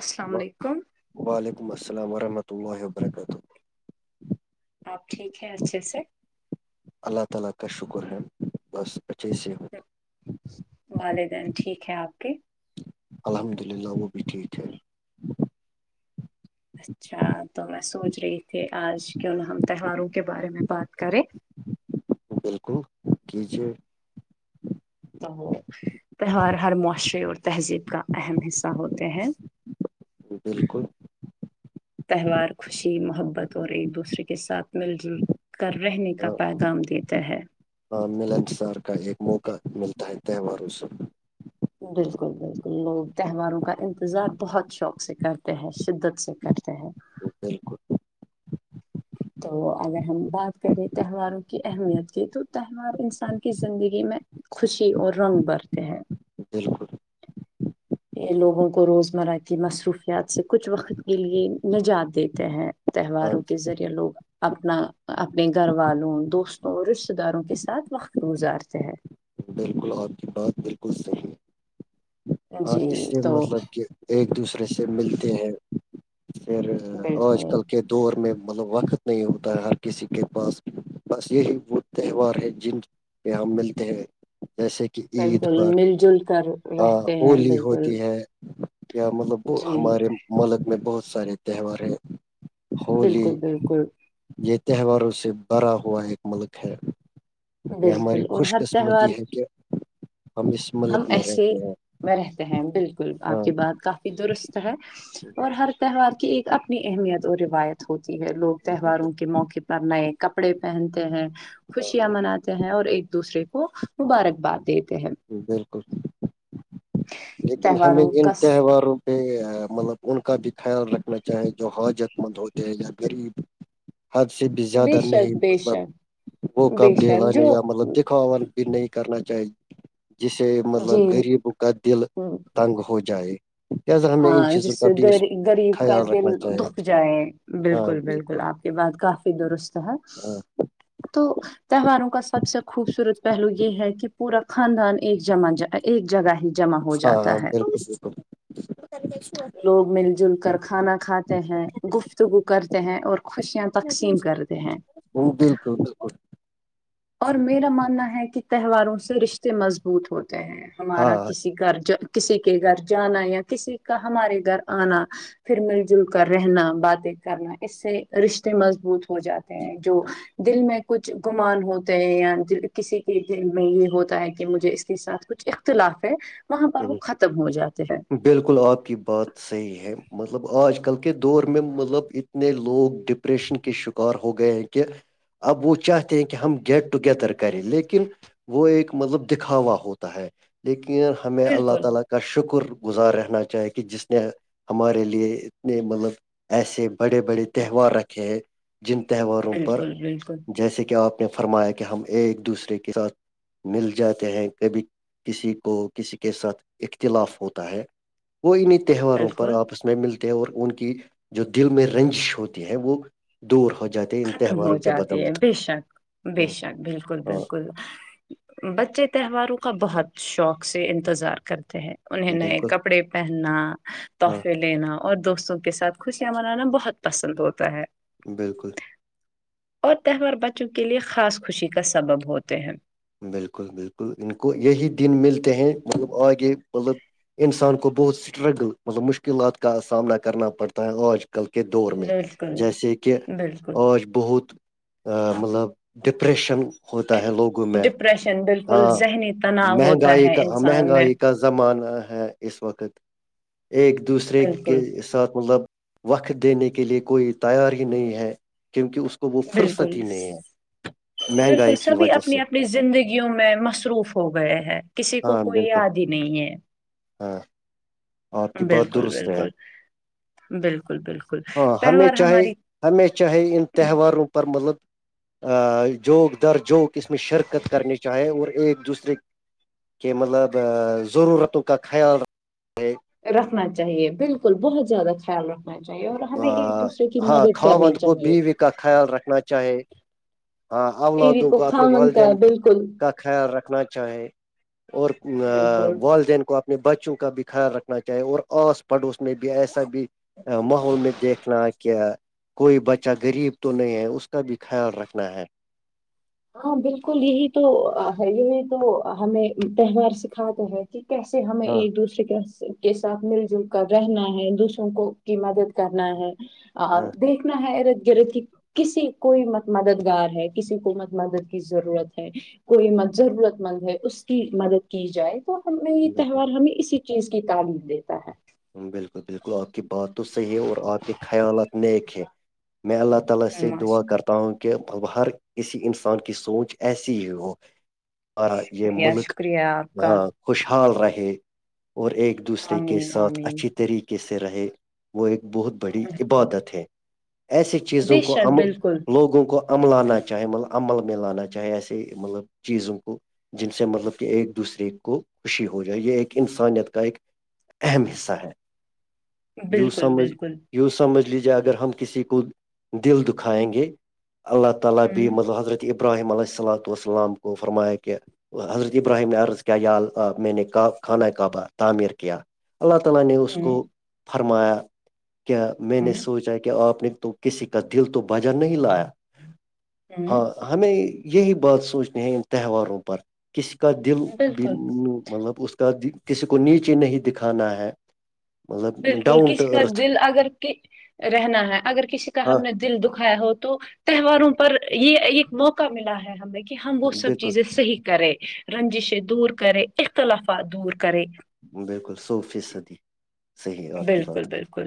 السلام و- علیکم وعلیکم السلام ورحمۃ اللہ وبرکاتہ آپ ٹھیک ہے اچھے سے [unintelligible] والدین ٹھیک ہے آپ کے الحمد للہ وہ بھی ٹھیک ہے اچھا تو میں سوچ رہی تھی آج کیوں ہم تہواروں کے بارے میں بات کریں بالکل کی ج تو تہوار ہر معاشرے اور تہذیب کا اہم حصہ ہوتے ہیں جی بالکل تہوار خوشی محبت اور ایک دوسرے کے ساتھ مل جل کر رہنے کا ہاں پیغام دیتا ہے ہاں ملنسار کا ایک موقع ملتا ہے تہواروں سے بالکل بالکل لوگ ہاں، تہواروں کا انتظار بہت شوق سے کرتے ہیں شدت سے کرتے ہیں جی بالکل تو اگر ہم بات کریں تہواروں کی اہمیت کی تو تہوار انسان کی زندگی میں خوشی اور رنگ برتے ہیں بالکل یہ لوگوں کو روزمرہ کی مصروفیات سے کچھ وخت کے لیے نجات دیتے ہیں ہاں تہواروں کے ذریعے لوگ اپنا اپنے گھر والوں دوستوں رشتتے داروں کے ساتھ وخت گزارتے ہیں جی بالکل آ پکی بات بات بالکل صحیح ہے اور جی اس سے تو مطلب کہ ایک دوسرے سے ملتے ہیں پھر آج بالکل کل کے دور میں مطلب وخت نہیں ہوتا ہے ہر کسی کے پاس بس یہی وہ تہوار ہے جن پ ہم ملتے ہیں جیسے کہ عید بالکل پر مل جل کر ہ رہتے ہیں ہولی بالکل ہوتی ہے یا مطلب جی ہمارے ملک میں بہت سارے تہوار ہیں ہولی بالکل بالکل یہ تہواروں سے بھرا ہوا ایک ملک ہے یہ ہماری بالکل اور خوش ہر تہوار قسمتی ہے کہ ہم اس ہم ملک میں ایسے رہتے ہیں میں رہتے ہیں بالکل آپ ہاں کی بات کافی درست ہے اور ہر تہوار کی ایک اپنی اہمیت اور روایت ہوتی ہے لوگ تہواروں کے موقع پر نئے کپڑے پہنتے ہیں خوشیاں مناتے ہیں اور ایک دوسرے کو مبارکباد دیتے ہیں جی بالکل لیکن ہمیں تہواروں ان کا س- تہواروں پ مطلب ان کا بھی خیال رکھنا چاہیں جو حاجت مند ہوتے ہیں یا غریب حد سے بھی بے زیادہ نہیں شک بے مطلب شک وہ بے کب د شک لان جو یا مطلب دکھاا نہیں کرنا چاہیے جسے مطلب غریبوں کا دل ہ [unintelligible] تنگ ہو جائے لہذا ہمیں ان ہاں چیزوں جس کا سے بھی اس غریب کا خیال دل رکھنا چاہیے دکخ جائے بالکل بالکل آپ یہ بات کافی درست ہے ہاں تو تہواروں کا سب سے خوبصورت پہلو یہ ہے کہ پورا خاندان ایک جما ایک جگہ ہی جمع ہو ہاں ہاں جاتا ہے بالکل بالکل لوگ مل جل کر کھانا کھاتے ہیں گفتگو کرتے ہیں اور خوشیاں تقسیم کرتے ہیں [unintelligible] اور میرا ماننا ہے کہ تہواروں سے رشتے مضبوط ہوتے ہیں ہمارا ہاں کسی گارجن کسی کے گر جانا یا کسی کا ہمارے گر آنا پھر مل جل کر رہنا باتیں کرنا اس سے رشتے مضبوط ہو جاتے ہیں جو دل میں کچھ گمان ہو یا کسی کے دل میں یہ ہوتا ہے کہ مجھے اس کے ساتھ کچھ اختلاف ہے وہاں پر وہ ختم ہو جاتے ہیں بالکل آپ کی بات صحیح ہے مطلب آج کل کے دور میں مطلب اتنے لوگ ڈپریشن کے شک کار ہو گئے ہیں کہ اب وہ چاہتے ہیں کہ ہم گیٹ ٹوگیدر کریں لیکن وہ ایک مطلب دکھاوا ہوتا ہے لیکن ہمیں اللہ بالکل تعالی کے کا شکر گزار رہنا چاہے کہ جس نے ہمارے لیے اتنے مطلب ایسے بڑے بڑے تہوار رکھے ہیں جن تہواروں پر بالکل بالکل جیسے کہ آپ نے فرمایا کہ ہم ایک دوسرے کے ساتھ مل جاتے ہیں کبھی کسی کو کسی کے ساتھ اختلاف ہوتا ہے وہ انہیں تہواروں پر بالکل آپس میں میں ملتے ہیں اور ان کی جو دل میں رینچ ہوتی ہے وہ دور ہو جاتی ختم ہو جاتی بے شک بے شک بالکل ہاں بالکل بچے تہواروں کا بہت شوق سے انتظار کرتے ہیں انہیں نئے بالکل کپڑے پہننا ہاں تحفے لینا اور دوستوں کے ساتھ خوشیاں منانا بہت پسند ہوتا ہے بالکل اور تہوار بچوں کے لیے خاص خوشی کا سبب ہوتے ہیں بالکل بالکل ان کو یہی دن ملتے ہیں مطلب آگے ملب انسان کو بہت اسٹرگل مطلب مشکلات کا سامنا کرنا پڑتا ہے آج کل کے دور میں بالکل جیسے کہ بالکل آج بہت مطلب ڈپریشن ہوتا ہے لوگوں میں ڈپریشن بالکل ہاں ذہنی تناؤ ہوتا مہنگائی ہے کا انسان میں مہنگائی کا زمانہ ہے اس وقت ایک دوسرے کے بالکل ساتھ مطلب وقت دینے کے لیے کوئی تیار ہی نہیں ہے کیونکہ اس کو وہ فرصت بالکل ہی نہیں ہے بالکل مہنگائی کی سبھی وجہ اپنی سے اپنی زندگیوں میں مصروف ہو گئے ہیں کسی کو ہاں کوئی بالکل یار ہی نہیں ہے ہاں آپ کی بات بالکل درست ہے بالکل بالکل بالکل ہاں ہمیں تہوار چاہے ہماری ہمیں چاہے ان تہواروں پر مطلب جوک در جوک اس میں شرکت کرنی چاہے اور ایک دوسرے کہ مطلب ضرورتوں کا خیال ایک رکھنا چاہیے بالکل بہت زیادہ خیال رکھ چاہیے اور ہمیں ایک دوسرے کی ہاں مدد کرنی خاوند کو چاہیے بیوی کا خیال رکھنا چاہے ہاں بیوی اولادوں کو کا اپنے خامن کا والدین بالکل کا خیال رکھنا چاہے اور بالکل والدین کو بچوں کا بھی خیال رکھنا چاہیے اور آس پڑوس میں بھی ایسا بھی ماحول میں دیکھنا کہ کوئی بچہ غریب تو نہیں ہے اس کا بھی خیال رکھ نہیں ہے [inaudible] ہاں بالکل یہی تو ہے یہی تو ہمیں تہوار سکھاتے ہے کہ کیسے ہمیں ہاں ایک دوسرے سے کے ساتھ مل جل کر رہنا ہے دوسروں کو کی مدد کرنا ہے ہاں دیکھنا ہے ارد گرد کہ کسی کوئی مت مددگار ہے کسی کو مت مدد کی ضرورت ہے کوئی مت ضرورت مند ہے اس کی مدد کی جائے تو ہمیں یہ بالکل تہوار ہمیں اسی چیز کی تعلیم دیتا ہے بالکل بالکل آپ کی بات تو صحیح ہے اور آپ کے خیالات نیک ہے میں اللہ اللہ ہے سے ماش دعا کرتا ہوں کہ ہر کسی انسان کی سوچ ایسی ہی ہو آ یہ شکریہ ملک شکریہ آپ کا ہاں خوشحال رہے اور ایک دوسرے کے آمین ساتھ آمین اچھی طریقے سے رہے وہ ایک بہت بڑی بالکل عبادت ہے ایسی چیزوں بے کو شک ہم بالکل لوگوں کو عملانا چاہے مطلب عمل میں لانا چاہے ایسے مطلب چیزوں کو جن سے مطلب کہ ایک دوسرے کو خوشی ہو جائے یہ ایک انسانیت کا ایک اہم حصہ یوں بالکل سمجھ بالکل یوں سمجھ لیجیے اگر ہم کسی کو دل دوکھایگے اللہ ہوں اللہعالی مطلب حضرت ابراہیم علیہ السلاتۃ وسلام کو فرمایہ کہ حضرت ابراہیم نے عرض کیا یا اللہ میں نے خانہ کعبہ تعمیر کیا اللہ نے اس ہوں کو فرمایا کہ میں نے ہوں سوچا کہ آپ نے تو کسی کا دل تو بجا نہیں لایا ہوں ہاں ہمیں یہی بات سوچنی ہے ان تہواروں پر کسی کا دل بھی بالکل مطلب اس کا کسی کو نیچے نہیں دکھانا ہے مطلب بالکل ڈاؤن ٹو کسی کا ارتھ دل اگر کہ رہنا ہے اگر کسی کا ہم ہاں نے دل دکھایا ہو تو تہواروں پر یہ ایک موقع ملا ہے ہمیں کہ ہم وہ ہاں، سب بالکل چیزیں صحیح کریں رنجشیں دور کریں اختلافات دور کرے بالکل سو فیصدی صحیح ہے آپ کی بالکل بات بالکل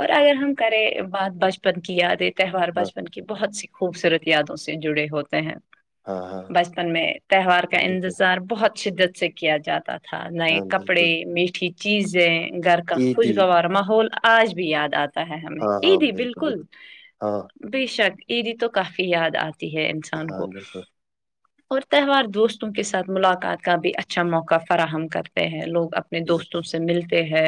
اور اگر ہم کریں بات بچپن کی یادیں تہوار ہاں بچپن کی بہت سی خوبصورت یادوں سے جڑے ہوتے ہیں ہاں ہاں بچپن میں تہوار کا بالکل انتظار بہت شدت سے کیا جاتا تھا تھا نئے ہاں کپڑے بالکل میٹھی چیزیں گھر کا عیدی خوشگوار ماحول آج بھی یاد آتا ہے ہمیں عیدی بالکل ہاں بے شک عیدی تو کافی یاد آتی ہے انسان ہاں کو بالکل اور تہوار دوستوں کے ساتھ ملاقات کا بھی اچھا موقع فراہم کرتے ہیں لوگ اپنے بالکل دوستوں سے ملتے ہیں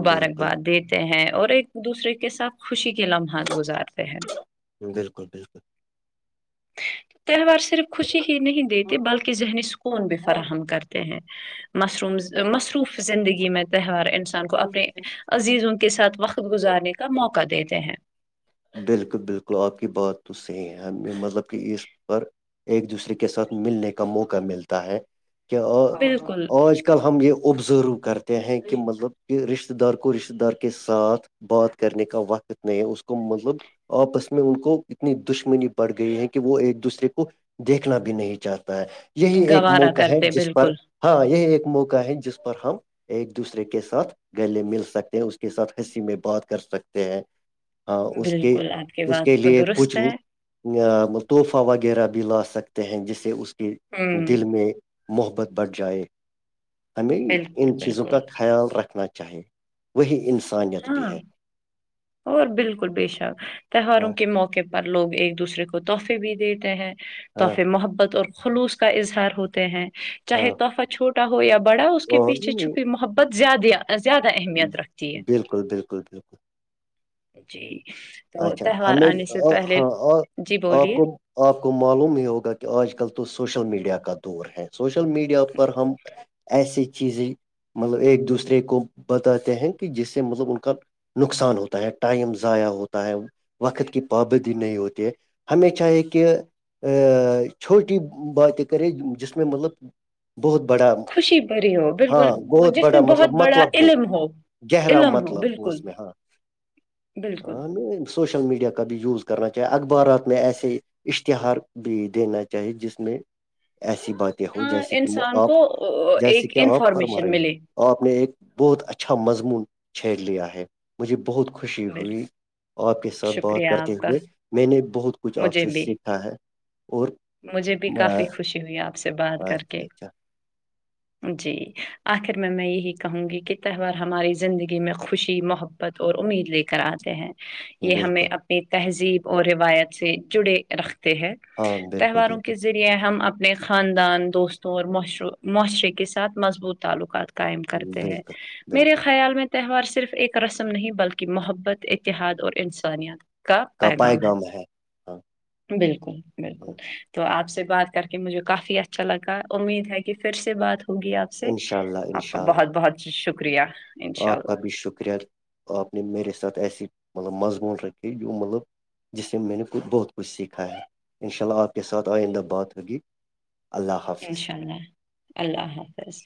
بالکل دیتے ہیں اور ایک دوسرے کے ساتھ خوشی کے لمحات گزارتے ہیں بالکل بالکل تہوار صرف خوشی ہی نہیں دیتے بلکہ ذہنی سکون بھی فراہم کرتے ہیں مصروف زندگی میں تہوار انسان کو اپنے عزیز ان کے ساتھ وقت گزارنے کا موقع دیتے ہیں بالکل بالکل آپ کی بات تو صحیح ہے ہم نے مطلب کہ اس پر ایک دوسرے کے ساتھ ملنے کا موقع ملتا ہے کہ بالکل آج کل ہم یہ ابزرو کرتے ہیں کہ مطلب کہ رشتتے دار کو رشتتے دار کے ساتھ بات کرنے کا وقت اتنا ہے اس کو مطلب آپس میں ان کو اتنی دشمنی پڑ گئی ہے کہ وہ ایک دوسرے کو دیکھنا بھی نہیں چاہتا ہے یہی ایک گوارا موقع ہے کرتے جس پر بالکل ہاں یہ ایک موقع ہے جس پر ہم ایک دوسرے کے ساتھ گلے مل سکتے ہیں اس کے ساتھ ہنسی میں بات کر سکتے ہیں اس کے بالکل آپ کی اس کے بات کو لیے کچھ درست ہے تحفہ وغیرہ بھی لا سکتے ہیں جس سے اس کے ہوں دل میں محبت بڑھ جائے ہمیں بالکل ان چیزوں بالکل کا خیال رکھنا چاہیے وہی انسانیت بھی ہاں ہے اور بالکل بے شک تہواروں ہاں کے موقع پر لوگ ایک دوسرے کو تحفے بھی دیتے ہیں ہاں تحفے محبت اور خلوص کا اظہار ہوتے ہیں ہاں چاہے تحفہ چھوٹا چھوٹا ہو یا بڑا اس کے اور پیچھے چھپی محبت زیادہ اہمیت رکھتی ہے بالکل بالکل بالکل جی اچھا تہوار ہمیں آنے سے پہلے ہاں اور جی آپ بولیے کو آپ کو معلوم ہی ہوگا کہ آج کل تو سوشل میڈیا کا دور ہے سوشل میڈیا پر ہم ایسی چیزیں مطلب ایک دوسرے کو بتاتے ہیں کہ جس سے مطلب ان کا نقصان ہوتا ہے ٹائم ضائع ہوتا وقت کی پابندی نہیں ہوتی ہمیشاہ یہ کہ چھوٹی باتیں کرے جس میں مطلب بہت بڑا خوشی بڑی ہو ہاں بالکل بہت جس میں بڑا بہت مطلب بڑا مطلب علم ہو گہرا علم ہو مطلب بالکل اس میں ہاں بالکل سوشل میڈیا کا بھی یوز کرنا چاہے اخبارات میں ایسے اشتہار بھی دینا چاہیے جس میں ایسی بات ہو ہاں جیسے کہ انسان آپ کو جیسے ایک کہ آپ پر م انفارمیشن رہے ہو ملے اور آپ نے ایک بہت اچھا مضمون چھیڑ لیا ہے مجھے بہت خوشی بالکل، ہوئی آپ کے ساتھ بات شکریہ کرتے آپ کا ہوئے میں نے بہت کچھ آپ مجھے سے بھی سیکھا ہے اور مجھے بھی کافی خوشی ہوئی آپ سے بات کر کے اچھا اچھا جی آخر میں میں یہی کہوں گی کہ تہوار ہماری زندگی میں خوشی محبت ت اور امید لے کر آتے ہیں یہ ہمیں بالکل اپنی تہذیب اور روایت سے جڑے رکھتے ہیں ہاں بالکل تہواروں کے بالکل ریے یہ ہم اپنے خاندان دوستوں اور معاشرے کے ساتھ مضبوط تعلقات قائم کرتے ہیں بالکل میرے بالکل خیال میں تہوار صرف ایک رسم نہیں بلکہ محبت اتحاد اور انسانیت کا پائے پیغام ہے گام ہاں بالکل بالکل تو آپ سے بات کر کے مجھے کافی اچھا لگا امید ہے کہ پھر سے بات ہوگی آپ سے انشاء اللہ آپ کا انشاء اللہ بہت بہت شکریہ انشاء آپ کا اللہ، بھی شکریہ آپ نے میرے ساتھ ایسی ملب مضمون رکھھی جو مطلب جس سے میں نے بہت کچھ سیکھا ہے انشاء اللہ آپ کے ساتھ آئندہ بات ہوگی اللہ حافظ انشاء اللہ اللہ حافظ